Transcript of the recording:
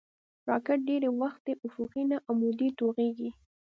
راکټ ډېری وخت افقي نه، عمودي توغېږي